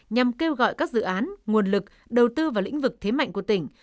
nhằm kêu gọi các dự án nguồn lực đầu tư vào lĩnh vực thế mạnh của tỉnh